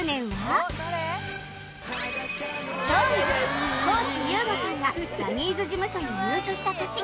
ＳｉｘＴＯＮＥＳ 地優吾さんがジャニーズ事務所に入所した年